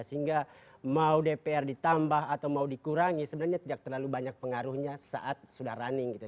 sehingga mau dpr ditambah atau mau dikurangi sebenarnya tidak terlalu banyak pengaruhnya saat sudah running gitu